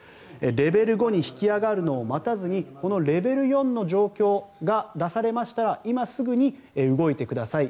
レベル５に引き上げるのを待たずにこのレベル４の状況が出されましたら今すぐに動いてください。